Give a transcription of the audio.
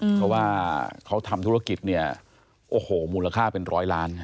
เพราะว่าเขาทำธุรกิจเนี่ยโอ้โหมูลค่าเป็นร้อยล้าน